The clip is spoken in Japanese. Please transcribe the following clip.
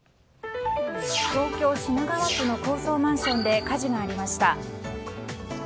東京・品川区の高層マンションで火事がありました。